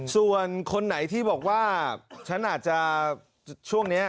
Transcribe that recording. ส่วนคนไหนที่บอกว่าฉันอาจจะช่วงนี้